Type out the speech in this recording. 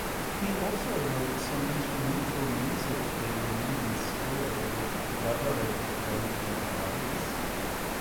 He also wrote some instrumental music for the movie's score with collaborator Jonathan Elias.